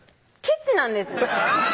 ケチなんです